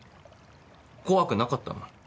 怖くなかったの？